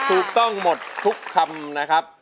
ถูกต้องหมดทุกคำนะครับ